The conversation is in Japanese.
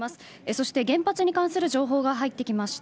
そして原発に関する情報が入ってきました。